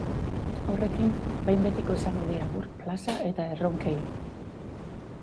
Horrekin behin betiko esango die agur plaza eta erronkei.